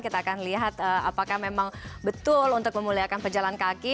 kita akan lihat apakah memang betul untuk memuliakan pejalan kaki